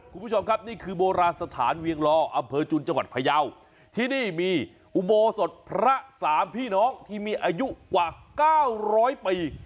คุณผู้ชมครับนี่คือโบราณสถานเวียงลออำเภอจุนจังหวัดพยาวที่นี่มีอุโบสถพระสามพี่น้องที่มีอายุกว่าเก้าร้อยปี